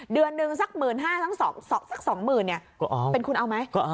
เดือนหนึ่งสักหมื่นห้าสักสองหมื่นเนี่ยเป็นคุณเอาไหม